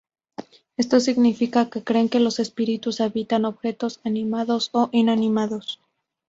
Esto significa que creen que los espíritus habitan objetos animados o inanimados.